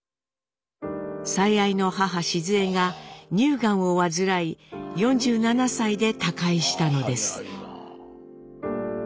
最愛の母シズエが乳がんを患い４７歳で他界したのです。